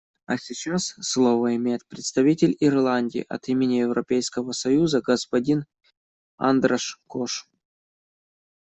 А сейчас слово имеет представитель Ирландии от имени Европейского союза — господин Андраш Кош.